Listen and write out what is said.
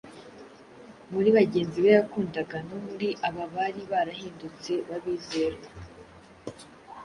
Muri bagenzi be yakundaga no muri aba bari barahindutse b’abizerwa;